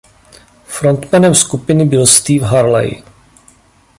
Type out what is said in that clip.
Frontmanem skupiny byl Steve Harley.